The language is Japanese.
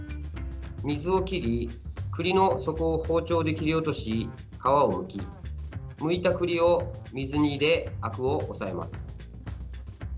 水を切り、栗の底を包丁で切り落とし、皮をむきむいた栗を水に入れあくを抑えます。